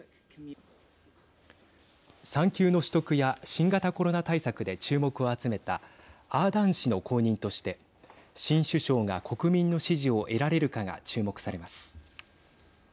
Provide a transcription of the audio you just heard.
産休の取得や新型コロナ対策で注目を集めたアーダーン氏の後任として新首相が国民の支持を得られるかが注目されます。